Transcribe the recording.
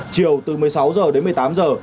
chiều từ một mươi sáu giờ đến một mươi tám giờ